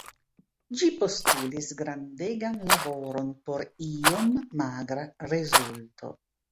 Ĝi postulis grandegan laboron por iom magra rezulto.